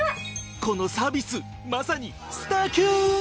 このサービスまさにスター級！